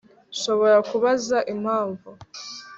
Nshobora kubaza impamvu